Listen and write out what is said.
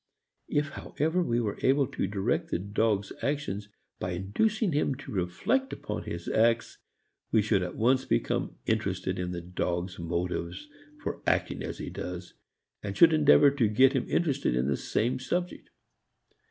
If however we were able to direct the dog's action by inducing him to reflect upon his acts, we should at once become interested in the dog's motives for acting as he does, and should endeavor to get him interested in the same subject.